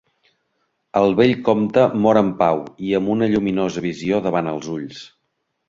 El vell comte mor en pau i amb una lluminosa visió davant els ulls.